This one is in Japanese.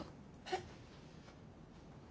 えっ？